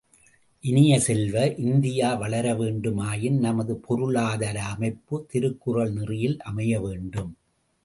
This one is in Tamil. இனிய செல்வ, இந்தியா வளர வேண்டுமாயின் நமது பொருளாதார அமைப்பு திருக்குறள் நெறியில் அமைய வேண்டும்.